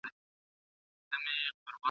ایا بهرني سوداګر بادام پروسس کوي؟